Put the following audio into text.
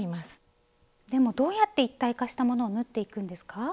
でもどうやって一体化したものを縫っていくんですか？